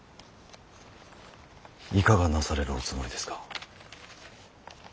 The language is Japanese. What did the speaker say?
いかがなされるおつもりですか。